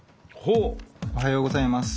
おはようございます。